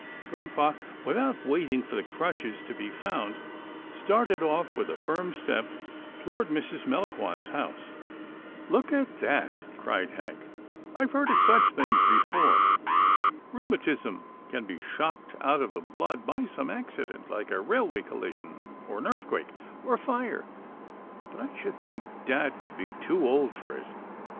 Grampa, without waiting for the crutches to be found, started off with a firm step toward Mrs. Melangon's house. " Look at that," cried Hank. " I've heard of THE SON OF MUFFLES 251 such things before. Rheumatism can be shocked out of the blood by some accident like a railway collision, or an earthquake, or a fire, but I should think dad would be too old for it."